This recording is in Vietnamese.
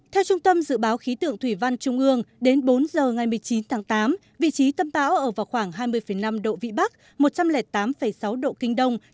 theo trung tâm dự báo khí tượng thủy văn trung ương đến bốn giờ ngày một mươi chín tháng tám vị trí tâm bão ở vào khoảng hai mươi năm độ vĩ bắc một trăm linh tám sáu độ kinh đông